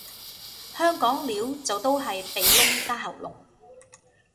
香港撩就都係鼻窿加喉嚨